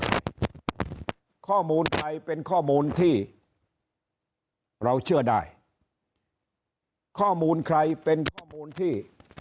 ข้อมูลใดเป็นข้อมูลที่เราเชื่อได้ข้อมูลใครเป็นข้อมูลที่